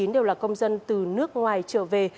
đều là công dân từ nước ngoài trở về